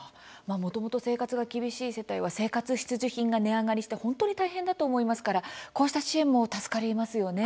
もともと生活が厳しい世帯は生活必需品が値上がりして本当に大変だと思いますからこうした支援も助かりますよね。